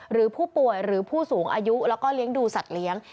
หรือผู้ป่วยหรือผู้สูงอายุแล้วก็เลี้ยงดูสัตว์เลี้ยง